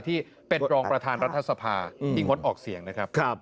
ที่เป็นรองประธานรัฐสภาที่งดออกเสียงนะครับ